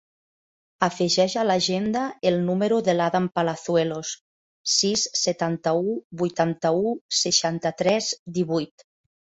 Afegeix a l'agenda el número de l'Adam Palazuelos: sis, setanta-u, vuitanta-u, seixanta-tres, divuit.